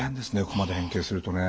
ここまで変形するとね。